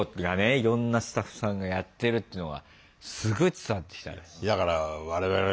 いろんなスタッフさんがやってるっていうのがすごい伝わってきたね。